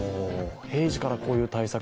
平時からこういう対策